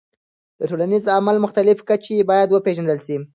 د ټولنیز عمل مختلف کچې باید وپیژندل سي.